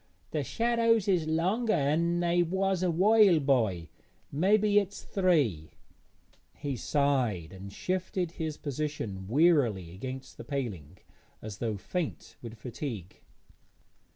'The shadows is longer 'an they was a while by; mebbe it's three.' He sighed and shifted his position wearily against the paling, as though faint with fatigue.